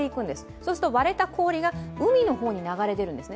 そうすると割れた氷が海の方に流れ出るんですね。